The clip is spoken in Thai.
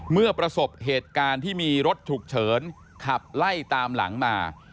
เมื่อประสบเหตุการณ์ที่มีรถฉุกเฉินขับไล่ตามหลังมา